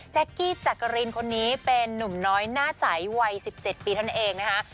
กี้จักรินคนนี้เป็นนุ่มน้อยหน้าใสวัย๑๗ปีเท่านั้นเองนะคะ